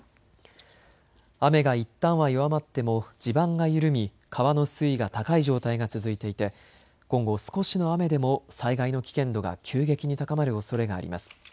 雨がいったんは弱まっても地盤が緩み川の水位が高い状態が続いていて今後少しの雨でも災害の危険度が急激に高まるおそれがあります。